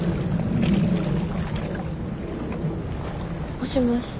もしもし。